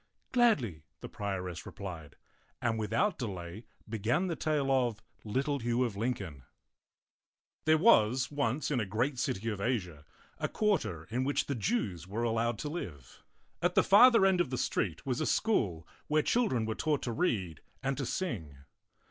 " Gladly," the prioress replied, and without delay began the tale of LITTLE HUGH OF LINCOLN THERE was once in a great city of Asia a quar ter in which the Jews were allowed to live. At the farther end of the street was a school where child ren were taught to read and to sing.